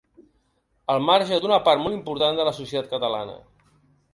Al marge d’una part molt important de la societat catalana.